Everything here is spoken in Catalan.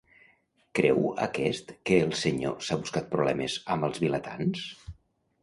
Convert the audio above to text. Creu aquest que el senyor s'ha buscat problemes amb els vilatans?